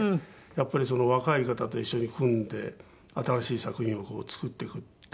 やっぱり若い方と一緒に組んで新しい作品を作っていくっていう事で。